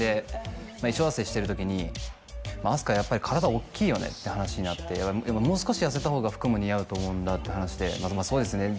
衣装合わせしてる時に阿須加やっぱり体おっきいよねって話になってもう少し痩せた方が服も似合うと思うんだって話でそうですね